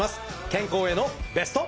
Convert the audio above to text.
健康へのベスト。